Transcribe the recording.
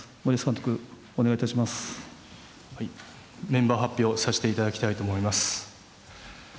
メンバー発表をさせていただきたいと思います。